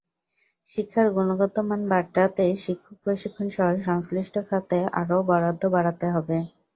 শিক্ষার গুণগত মান বাড়াতে শিক্ষক প্রশিক্ষণসহ সংশ্লিষ্ট খাতে আরও বরাদ্দ বাড়াতে হবে।